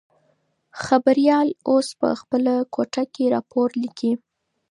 خبریال اوس په خپله کوټه کې راپور لیکي.